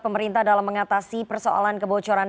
pemerintah dalam mengatasi persoalan kebocoran